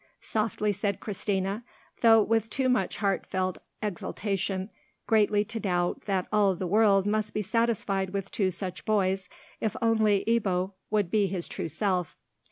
softly said Christina, though with too much heartfelt exultation greatly to doubt that all the world must be satisfied with two such boys, if only Ebbo would be his true self.